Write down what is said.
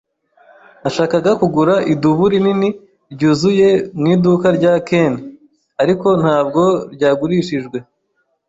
Nashakaga kugura idubu rinini ryuzuye mu iduka rya Ken, ariko ntabwo ryagurishijwe.